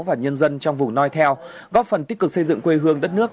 và nhân dân trong vùng noi theo góp phần tích cực xây dựng quê hương đất nước